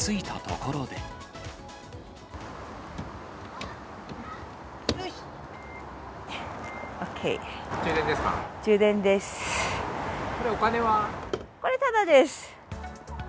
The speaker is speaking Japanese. これ、ただです。